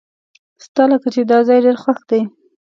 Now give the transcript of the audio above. ستالکه چې داځای ډیر خوښ دی .